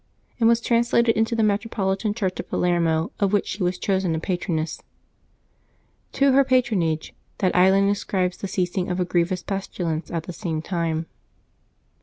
and was translated into the metropolitan church of Palermo, of which she was chosen a patroness. To her patronage that island ascribes the ceasing of a grievous pestilence at the same time.